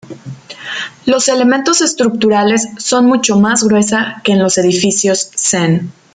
Los elementos estructurales son mucho más gruesa que en los edificios Zen.